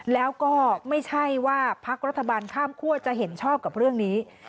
แล้วก็ไม่ใช่ว่าพักรัฐบาลข้ามคั่วจะเห็นชอบกับเรื่องนี้